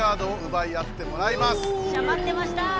まってました！